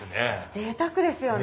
ぜいたくですよね。